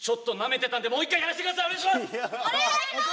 おねがいします！